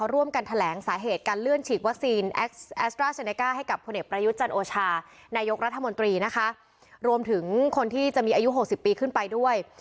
รวมถึงคนที่จะมีอายุ๖๐ปีขึ้นไปด้วย